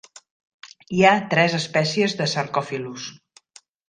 Hi ha tres espècies de "Sarcophilus".